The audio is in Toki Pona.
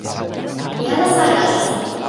mi alasa e akesi.